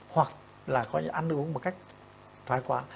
hoặc là ăn uống một cách thai quá